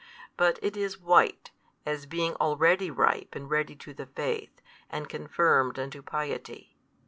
But it is white, as being already ripe and ready to the faith, and confirmed unto piety.